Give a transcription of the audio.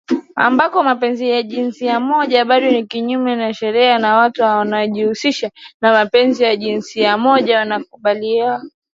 Ambako mapenzi ya jinsia moja bado ni kinyume cha sheria na watu wanaojihusisha na mapenzi ya jinsia moja wanakabiliwa na kukamatwa, kutengwa na vurugu.